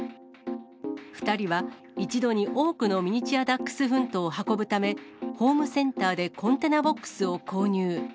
２人は一度に多くのミニチュアダックスフントを運ぶため、ホームセンターでコンテナボックスを購入。